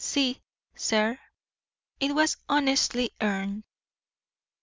"See, sir. It was honestly earned."